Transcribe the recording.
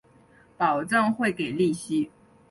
保证会给利息